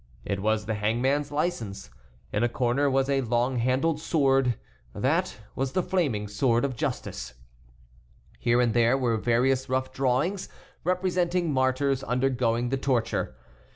It was the hangman's license. In a corner was a long handled sword. This was the flaming sword of justice. Here and there were various rough drawings representing martyrs undergoing the torture.